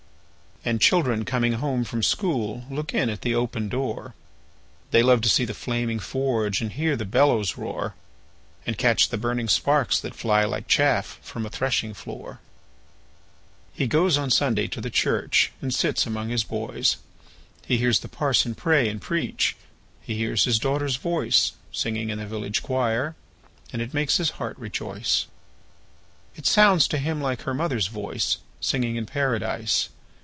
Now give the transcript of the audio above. And children coming home from school Look in at the open door; They love to see the flaming forge, And hear the bellows roar, And catch the burning sparks that fly, Like chaff from a threshing floor. He goes on Sunday to the church, And sits among his boys; He hears the parson pray and preach, He hears his daughter's voice, Singing in the village choir, And it makes his heart rejoice. It sounds to him like her mother's voice, Singing in Paradise!